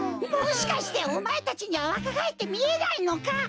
もしかしておまえたちにはわかがえってみえないのか？